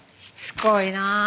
しつこいな。